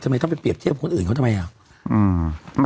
ทำไมต้องไปเปรียบเทียบคนอื่นเขาทำไมอ่ะ